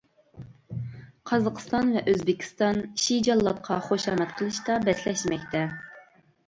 قازاقىستان ۋە ئۆزبېكىستان شى جاللاتقا خۇشامەت قىلىشتا بەسلەشمەكتە.